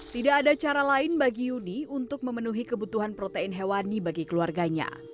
tidak ada cara lain bagi yuni untuk memenuhi kebutuhan protein hewani bagi keluarganya